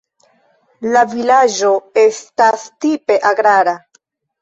La vilaĝo estas tipe agrara.